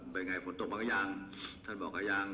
เป็นไงฝนตกบ้างไหร่อย่างท่านบอกยัง